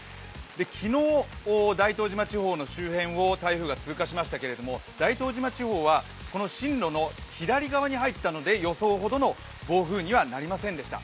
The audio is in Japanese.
昨日、大東島地方の周辺を台風が通過しましたけれども、大東島地方は進路の左側に入ったので予想ほどの暴風にはなりませんでした。